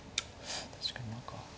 確かに何か。